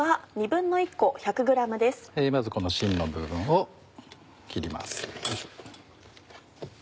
まずこのしんの部分を切ります。